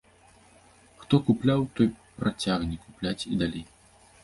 Хто купляў, той працягне купляць і далей.